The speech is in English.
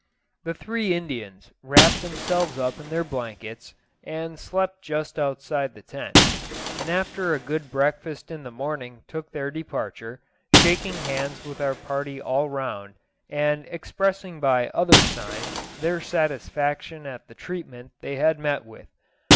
The three Indians wrapped themselves up in their blankets, and slept just outside the tent; and after a good breakfast in the morning took their departure, shaking hands with our party all round, and expressing by other signs their satisfaction at the treatment they had met with.